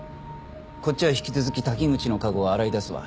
こっちは引き続き滝口の過去を洗い出すわ。